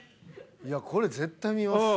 いやこれ絶対見ますよ。